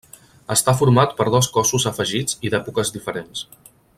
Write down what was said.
Està format per dos cossos afegits i d'èpoques diferents.